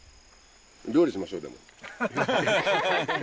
料理しましょうでも。